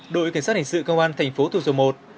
đội cảnh sát hành sự công an thành phố thu dầu một